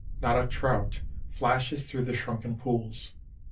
Not a trout flashes through the shrunken pools.